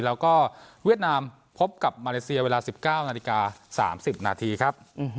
แล้วก็เวียดนามพบกับมาเลเซียเวลา๑๙นาฬิกา๓๐นาทีครับ